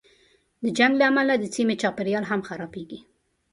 د جنګ له امله د سیمې چاپېریال هم خرابېږي.